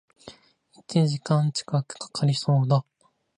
一時間近く掛かりそうだ